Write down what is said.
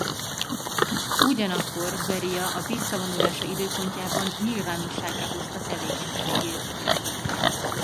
Ugyanakkor Berija a visszavonulása időpontjában nyilvánosságra hozta tevékenységét.